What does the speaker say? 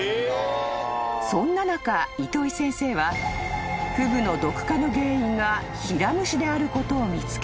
［そんな中糸井先生はフグの毒化の原因がヒラムシであることを見つけ］